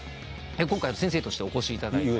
今回先生としてお越しいただいて。